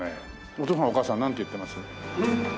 お父さんお母さんはなんて言ってます？